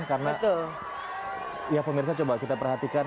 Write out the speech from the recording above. karena ya pemirsa coba kita perhatikan